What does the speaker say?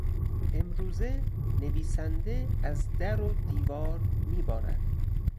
امروزه نویسنده از در و دیوار میبارد.